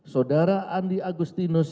saudara andi agustinus